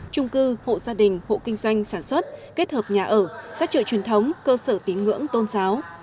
trung cư hộ gia đình hộ kinh doanh sản xuất kết hợp nhà ở các chợ truyền thống cơ sở tín ngưỡng tôn giáo